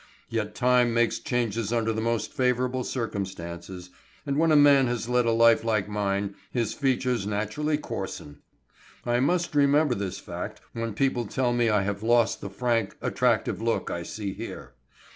Yet time makes changes under the most favorable circumstances, and when a man has led a life like mine, his features naturally coarsen. I must remember this fact when people tell me I have lost the frank, attractive look I see here.